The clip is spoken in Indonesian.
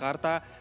selamat malam pak